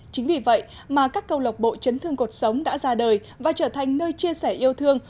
chính vì vậy mà các câu lọc bộ chấn thương cuộc sống đã ra đời và trở thành nơi chia sẻ yêu thương